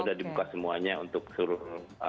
sudah dibuka semuanya untuk seluruh